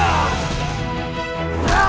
aku mau ke sana